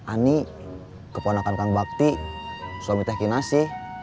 ani keponakan kang bakti suami teh kinasi